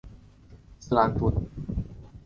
斯图加特号于战斗期间没有受损。